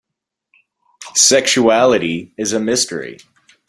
Sexuality is a mystery.